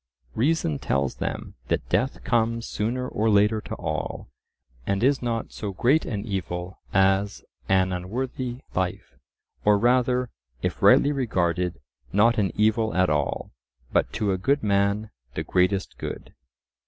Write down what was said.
Reason tells them that death comes sooner or later to all, and is not so great an evil as an unworthy life, or rather, if rightly regarded, not an evil at all, but to a good man the greatest good.